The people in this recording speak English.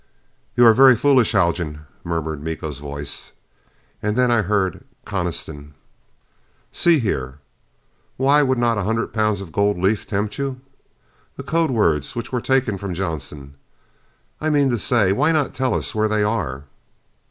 "You are very foolish, Haljan," murmured Miko's voice. And then I heard Coniston: "See here, why would not a hundred pounds of gold leaf tempt you? The code words which were taken from Johnson I mean to say, why not tell us where they are?"